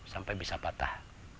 sampai bisa patah